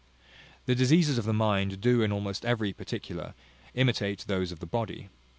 The diseases of the mind do in almost every particular imitate those of the body.